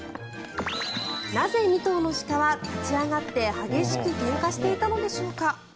なぜ２頭の鹿は立ち上がって激しくけんかしていたのでしょうか。